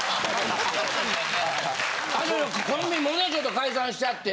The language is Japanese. コンビもねちょっと解散しちゃって。